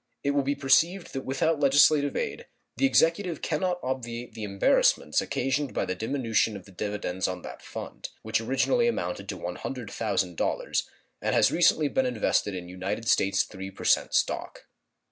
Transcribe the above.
It will be perceived that without legislative aid the Executive can not obviate the embarrassments occasioned by the diminution of the dividends on that fund, which originally amounted to $100,000, and has recently been invested in United States 3% stock.